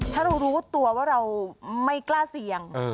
ถ้าเรารู้ตัวว่าเราไม่กล้าเสี่ยง